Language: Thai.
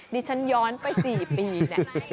ดิฉันยรณไปสี่ปีแด่